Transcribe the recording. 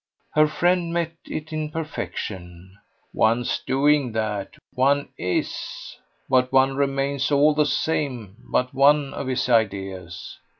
Her friend met it in perfection. "One's DOING that one IS. But one remains all the same but one of his ideas."